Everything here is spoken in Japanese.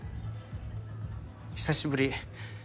久しぶり。